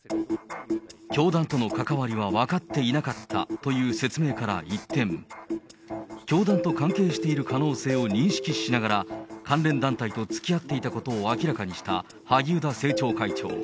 教団との関わりは分かっていなかったという説明から一転、教団と関係している可能性を認識しながら、関連団体とつきあっていたことを明らかにした萩生田政調会長。